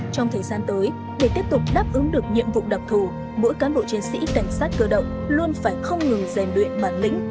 trong thời gian tới để tiếp tục đáp ứng được nhiệm vụ đặc thù mỗi cán bộ chiến sĩ cảnh sát cơ động luôn phải không ngừng rèn luyện bản lĩnh